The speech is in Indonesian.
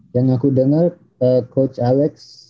yang aku dengar coach alex